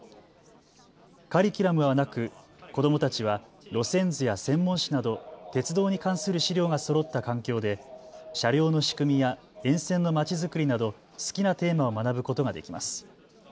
カリキュラムはなく子どもたちは路線図や専門誌など鉄道に関する資料がそろった環境で車両の仕組みや沿線のまちづくりなど好きなテーマを学ぶことができます。